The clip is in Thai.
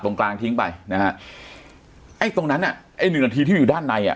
ตรงกลางทิ้งไปนะฮะไอ้ตรงนั้นอ่ะไอ้หนึ่งนาทีที่อยู่ด้านในอ่ะ